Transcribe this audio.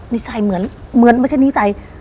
นิสัยเหมือนไม่ใช่นิสัย